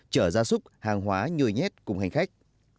chở gia súc hàng hóa nhồi nhét cùng hành khách